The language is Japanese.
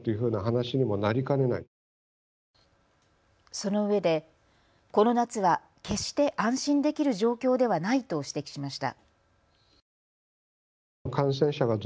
そのうえでこの夏は決して安心できる状況ではないと指摘しました。